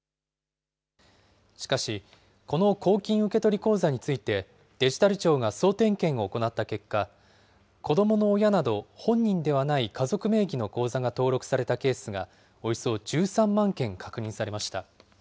しかしこの公金受取口座について、デジタル庁が総点検を行った結果、子どもの親など、本人ではない家族名義の口座が登録されたケースがおよそ１３万件確認されました。